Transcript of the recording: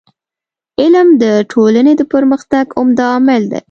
علم د ټولني د پرمختګ عمده عامل دی.